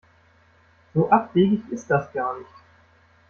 So abwegig ist das gar nicht.